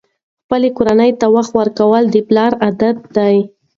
خپلې کورنۍ ته وخت ورکول د پلار عادت دی.